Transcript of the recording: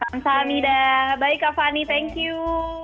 kamsahamida bye kak fanny thank you